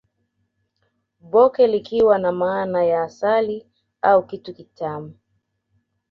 Bhoke likiwa na maana ya asali au kitu kitamu